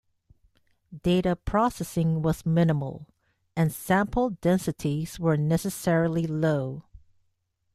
Data processing was minimal and sample densities were necessarily low.